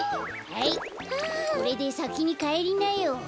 はいこれでさきにかえりなよ。